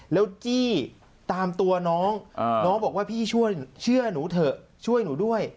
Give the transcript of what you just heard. แล้วจี้ตามตัวน้องน้องบอกว่าพี่ช่วยหนูเถอะช่วยหนูด้วย